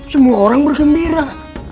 semua orang bergembira